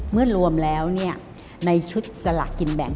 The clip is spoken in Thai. เมื่อรวมแล้วในชุดสลากกินแบ่ง